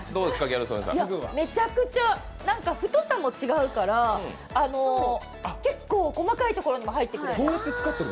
めちゃくちゃ、太さも違うから、結構細かい所にも入ってくる。